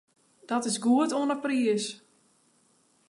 Dat is goed oan 'e priis.